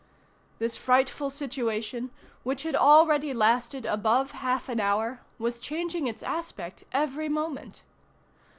This frightful situation, which had already lasted above half an hour, was changing its aspect every moment.